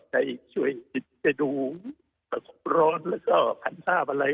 ช่วยไปดูร้อนและก็ปัญหาภาพอะไร